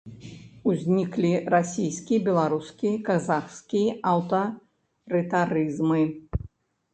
Узніклі расійскі, беларускі, казахскі аўтарытарызмы.